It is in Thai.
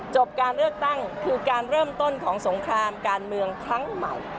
การเลือกตั้งคือการเริ่มต้นของสงครามการเมืองครั้งใหม่